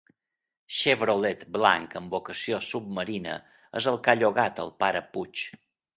Chevrolet blanc amb vocació submarina és el que ha llogat el pare Puig.